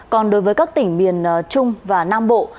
còn đối với các tỉnh miền trung và nam bộ